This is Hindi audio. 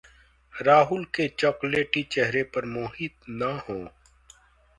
राहुल के चाकलेटी चेहरे पर मोहित ना हों